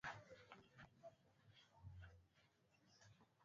mialiko mbalimbali inatawala katika kipindi cha sikukuu